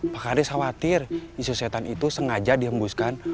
pak haris khawatir isu setan itu sengaja dihembuskan